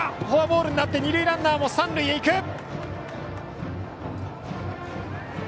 フォアボールになって二塁ランナーも三塁へいく。